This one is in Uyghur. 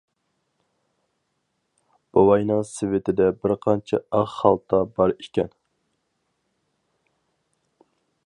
بوۋاينىڭ سېۋىتىدە بىرقانچە ئاق خالتا بار ئىكەن.